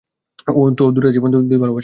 তো, দুটা জীবন, দুই ভালবাসা।